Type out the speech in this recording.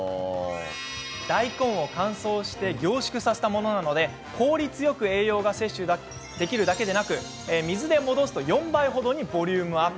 大根を乾燥して凝縮させたものなので効率よく栄養が摂取できるだけでなく水で戻すと４倍程にボリュームアップ。